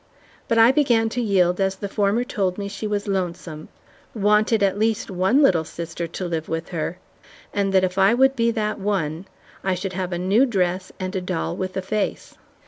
But I began to yield as the former told me she was lonesome; wanted at least one little sister to live with her, and that if I would be that one, I should have a new dress and a doll with a face.